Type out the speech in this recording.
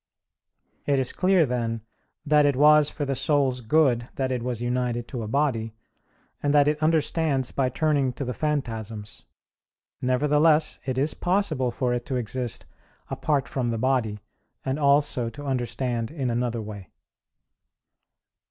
It is clear then that it was for the soul's good that it was united to a body, and that it understands by turning to the phantasms. Nevertheless it is possible for it to exist apart from the body, and also to understand in another way.